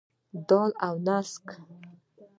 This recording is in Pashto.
دال او نسک.